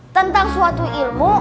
tentang suatu ilmu